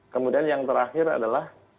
kemudian yang terakhir adalah